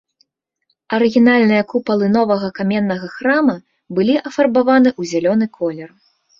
Арыгінальныя купалы новага каменнага храма былі афарбаваны ў зялёны колер.